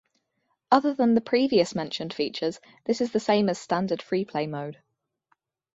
Other than the previous mentioned features, this is the same as standard free-play mode.